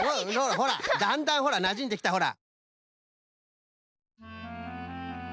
ほらだんだんほらなじんできたほら。